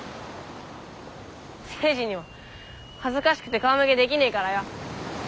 誠司にも恥ずかしくて顔向けできねえからよ。